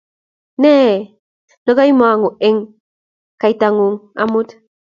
Nee nekomong'u eng' kaitang'ung' amut.